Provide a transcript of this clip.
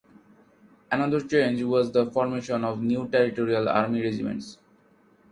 Another change was the formation of new Territorial Army Regiments.